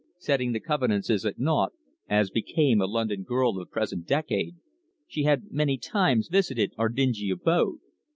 Setting the convenances at naught, as became a London girl of the present decade, she had many times visited our dingy abode.